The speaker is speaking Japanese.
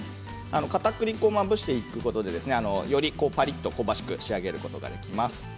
かたくり粉をまぶしていくことでより、パリっと香ばしく仕上げることができます。